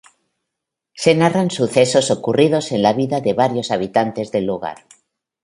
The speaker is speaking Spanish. Se narran sucesos ocurridos en la vida de varios habitantes del lugar.